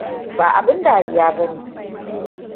Ba abin dariya ba ne.